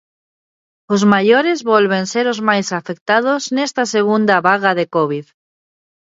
Os maiores volven ser o máis afectados nesta segunda vaga de covid.